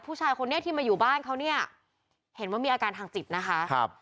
ผู้ชายคนนี้ที่มาอยู่บ้านเขาเนี่ยเห็นว่ามีอาการทางจิตนะคะครับ